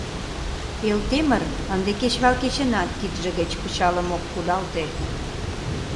Элтемыр ынде кечывал кечынат кидше гыч пычалым ок кудалте.